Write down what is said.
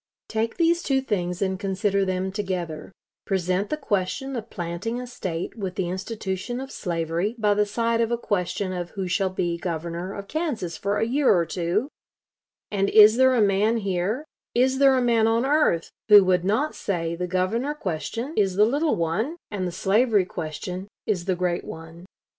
Take these two things and consider them together; present the question of planting a State with the institution of slavery by the side of a question of who shall be Governor of Kansas for a year or two, and is there a man here, is there a man on earth, who would not say the governor question is the little one, and the slavery question is the great one?